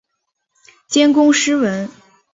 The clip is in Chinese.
兼工诗文。